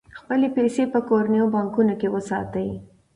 خپلې پيسې په کورنیو بانکونو کې وساتئ.